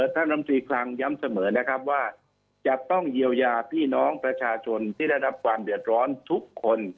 ลำตรีคลังย้ำเสมอนะครับว่าจะต้องเยียวยาพี่น้องประชาชนที่ได้รับความเดือดร้อนทุกคน